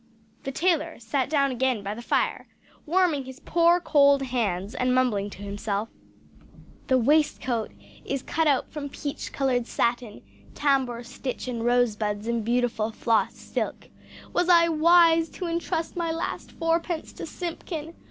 The tailor sat down again by the fire, warming his poor cold hands, and mumbling to himself "The waistcoat is cut out from peach coloured satin tambour stitch and rose buds in beautiful floss silk. Was I wise to entrust my last fourpence to Simpkin?